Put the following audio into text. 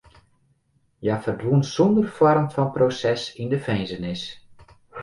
Hja ferdwûn sûnder foarm fan proses yn de finzenis.